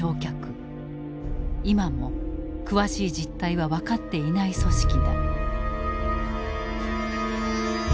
今も詳しい実態は分かっていない組織だ。